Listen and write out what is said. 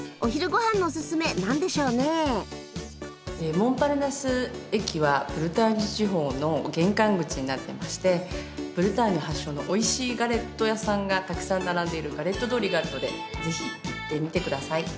モンパルナス駅はブルターニュ地方の玄関口になってましてブルターニュ発祥のおいしいガレット屋さんがたくさん並んでいるガレット通りがあるのでぜひ行ってみて下さい。